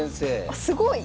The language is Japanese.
あすごい！